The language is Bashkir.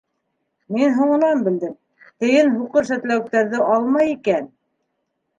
Мин ҙуңынан белдем: тейен Һуҡыр сәтләүектәрҙе алмай икән!